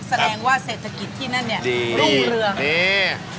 แสดงว่าเศรษฐกิจที่นั่นเนี่ยรุ่งเรือง